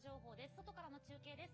外からの中継です。